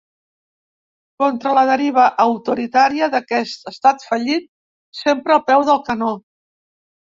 Contra la deriva autoritària d'aquest estat fallit, sempre al peu del canó.